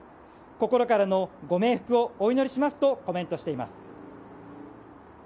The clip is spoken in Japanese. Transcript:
心からのご冥福をお祈りしますとコメントしています。